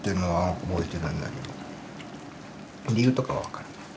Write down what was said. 理由とか分からない。